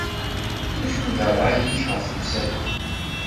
D acu i d ṛṛay-ik ɣef temsalt-a?